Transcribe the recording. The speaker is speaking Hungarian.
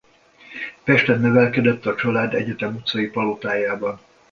Pesten nevelkedett a család Egyetem utcai palotájában.